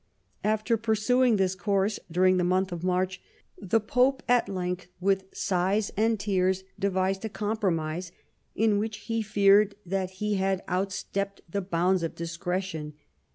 After pursuing this course during the month of March the Pope at length with sighs and tears devised a compromise, in which he feared that he had outstepped the bounds of discretion.